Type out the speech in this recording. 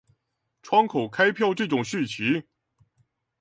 窗口開票這種事情